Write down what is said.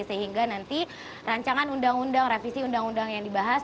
sehingga nanti rancangan undang undang revisi undang undang yang dibahas